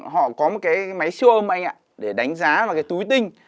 họ có một cái máy siêu âm anh ạ để đánh giá vào cái túi tinh